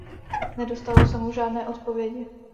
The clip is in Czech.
Nedostalo se mu žádné odpovědi.